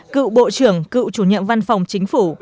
cựu bộ trưởng cựu chủ nhận văn phòng chính phủ